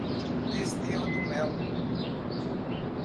Desterro do Melo